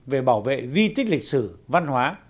về bảo vệ di tích lịch sử văn hóa